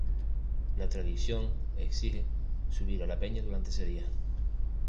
La tradición exige subir a la Peña durante ese día.